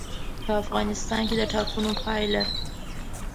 په افغانستان کې د ټاکنو پایله.